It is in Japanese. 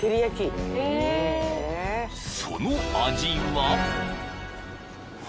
［その味は？］